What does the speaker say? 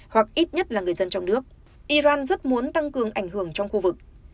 hoặc ít nhất là người dân trong nước iran rất muốn tăng cường ảnh hưởng trong khu vực